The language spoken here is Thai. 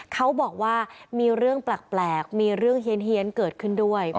เขาบอกว่ามีเรื่องแปลกมีเรื่องเฮียนเกิดขึ้นด้วย